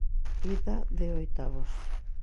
Ida de oitavos.